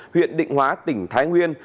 huyện định hóa tỉnh thái nguyên